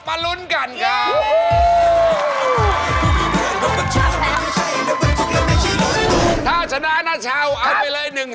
บร้อนกันไกรกระดาษชนะทุกอย่าง